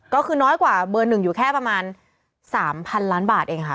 ก็คือน้อยกว่าเบอร์๑อยู่แค่ประมาณ๓๐๐๐ล้านบาทเองค่ะ